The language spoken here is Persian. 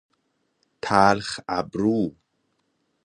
تلخ ابرو